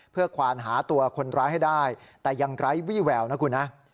เพื่อควานหาตัวคนร้ายให้ได้แต่ยังไร้วี่แววนะคุณนะ